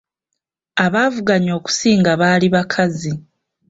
Abaavuganya okusinga baali bakazi.